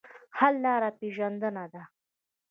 حل لاره پېژندنه ده.